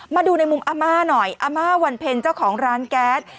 มาดูในมุมอาม่าหน่อยอาม่าวันเพ็ญเจ้าของร้านแก๊ส